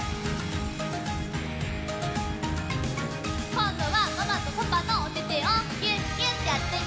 こんどはママとパパのおててをぎゅっぎゅってやってね！